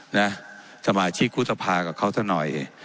ท่านนายกรุงตรีเนี่ย